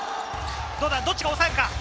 どっちが抑えるか。